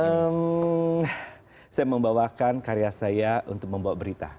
hmm saya membawakan karya saya untuk membawa berita